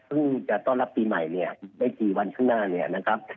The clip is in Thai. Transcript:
จะต้อนรับปีใหม่เนี่ยไม่กี่วันข้างหน้าเนี่ยนะครับ